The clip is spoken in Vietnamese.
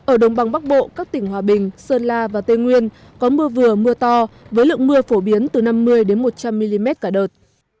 ở đồng bằng bắc bộ các tỉnh hòa bình sơn la và tây nguyên có mưa vừa mưa to với lượng mưa phổ biến từ năm mươi một trăm linh mm cả đợt